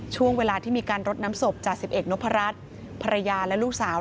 ช่วงเวลาที่มีการรดน้ำศพจาก๑๑นพรัชภรรยาและลูกสาว